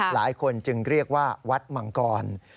หลายคนจึงเรียกว่าวัดมังกร